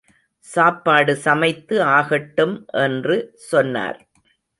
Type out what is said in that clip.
சாப்பாடு சமைத்து ஆகட்டும் என்று சொன்னார்.